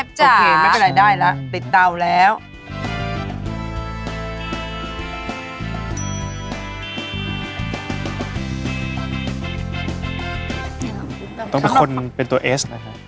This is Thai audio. ไม่เป็นไรได้ล่ะปิดเตาแล้วตัวน้ำมันก็ตลอดแล้วก็คงจะมากขึ้น